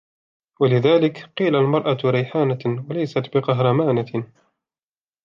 وَلِذَلِكَ ، قِيلَ الْمَرْأَةُ رَيْحَانَةٌ وَلَيْسَتْ بِقَهْرَمَانَةٍ